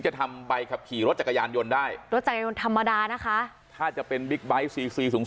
ส่วนสองตายายขี่จักรยานยนต์อีกคันหนึ่งก็เจ็บถูกนำตัวส่งโรงพยาบาลสรรค์กำแพง